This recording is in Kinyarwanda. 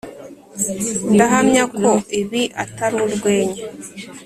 ndahamya ko ibi atari urwenya.